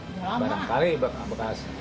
belinya mah beli barangkari bekasi